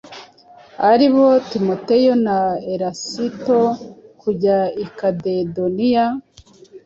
ari bo Timoteyo na Erasito, kujya i Makedoniya.”